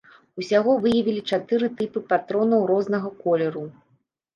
Усяго выявілі чатыры тыпы патронаў рознага колеру.